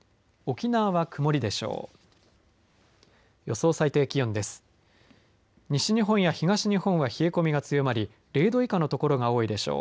沖縄は曇りでしょう。